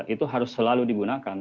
itu harus selalu digunakan